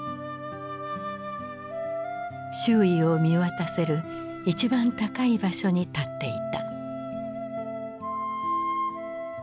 周囲を見渡せる一番高い場所に立っていた。